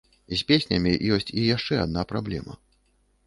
З песнямі ёсць і яшчэ адна праблема.